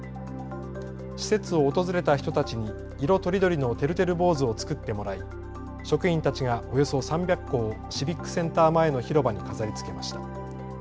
施設を訪れた人たちに色とりどりのてるてる坊主を作ってもらい職員たちがおよそ３００個をシビックセンター前の広場に飾りつけました。